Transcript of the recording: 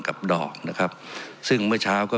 กับดอกนะครับซึ่งเมื่อเช้าก็